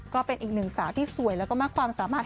ก็เป็นอีกหนึ่งสาวที่สวยแล้วก็มากความสามารถ